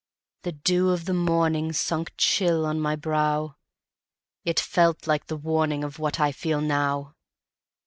The dew of the morningSunk chill on my brow; It felt like the warningOf what I feel now.